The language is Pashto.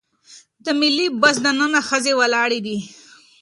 د ملي بس دننه ښځې ولاړې دي.